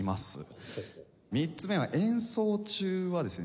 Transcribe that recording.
３つ目は演奏中はですね